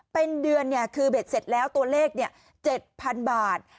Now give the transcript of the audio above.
เป็นเดือนเนี่ยคือเบ็ดเสร็จแล้วตัวเลขเนี่ย๗๐๐๐บาท